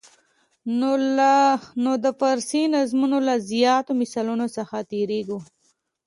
نو د فارسي نظمونو له زیاتو مثالونو څخه تېریږو.